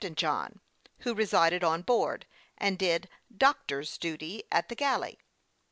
13 tain John, who resided on board, and did " doctor's " duty at the galley.